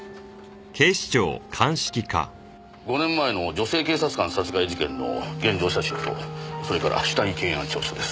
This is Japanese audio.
５年前の女性警察官殺害事件の現場写真とそれから死体検案調書です。